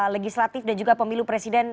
legislatif dan juga pemilu presiden